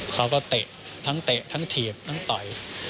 เตะทั้งเตะทั้งถีบทั้งต่อย